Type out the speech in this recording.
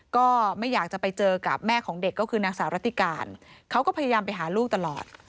ก็ไม่อยากจะไปเจอกับแม่ของเด็กก็คือนางสาวรัติการเขาก็พยายามไปหาลูกตลอด